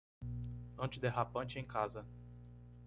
Antiderrapante em casa